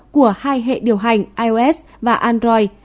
của hai hệ điều hành ios và android